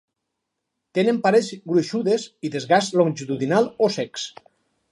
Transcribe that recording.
Tenen parets gruixudes i desgast longitudinal o secs.